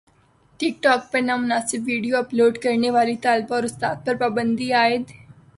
ٹک talk پر نامناسب video upload کرنے والی طالبہ اور استاد پر پابندی عائد